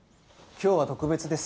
今日は特別です。